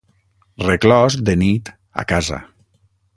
Reclòs, de nit, a casa.